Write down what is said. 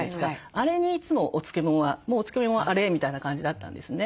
あれにいつもお漬物は「もうお漬物はあれ」みたいな感じだったんですね。